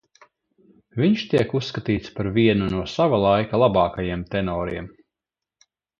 Viņš tiek uzskatīts par vienu no sava laika labākajiem tenoriem.